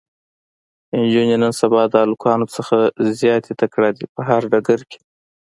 انجونې نن سبا د هلکانو نه زياته تکړه دي په هر ډګر کې